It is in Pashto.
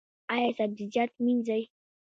ایا سبزیجات مینځئ؟